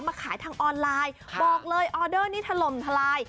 มาขายทางออนไลน์บอกเลยออเดอร์นี้ถล่มทลาย